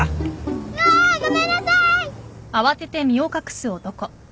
うわごめんなさい！